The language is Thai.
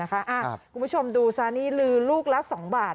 คุณผู้ชมดูซานี่ลือลูกละ๒บาท